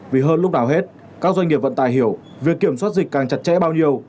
vì hơn lúc nào hết các doanh nghiệp vận tài hiểu việc kiểm soát dịch càng chặt chẽ bao nhiêu